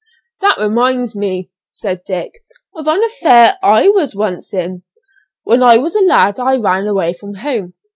"That reminds me," said Dick, "of an affair I was once in. When I was a lad I ran away from home.